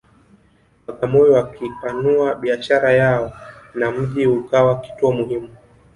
Bagamoyo wakipanua biashara yao na mji ukawa kituo muhimu